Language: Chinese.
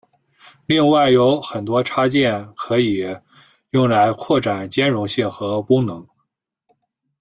另外有很多插件可以用来扩展兼容性和功能。